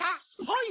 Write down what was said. はい。